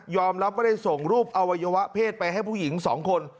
รับว่าได้ส่งรูปอวัยวะเพศไปให้ผู้หญิง๒คน